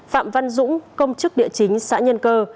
phạm văn dũng công chức địa chính xã nhân cơ